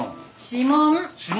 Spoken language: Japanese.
指紋？